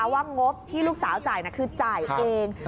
งบที่ลูกสาวจ่ายคือจ่ายเอง